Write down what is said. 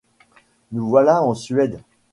Nous voilà en Suède !